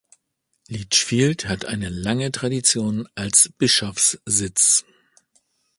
Lichfield hat eine lange Tradition als Bischofssitz.